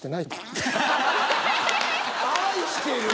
愛してるよ。